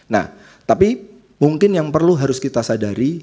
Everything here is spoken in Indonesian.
nah tapi mungkin yang perlu harus kita sadari